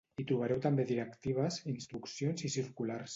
Hi trobareu també directives, instruccions i circulars.